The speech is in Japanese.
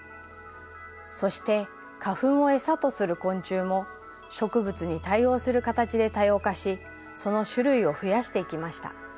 そして花粉を餌とする昆虫も植物に対応する形で多様化しその種類を増やしていきました。